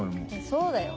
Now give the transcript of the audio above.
そうだよ。